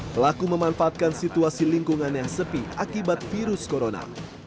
pelaku memanfaatkan situasi lingkungannya sepi akibat virus corona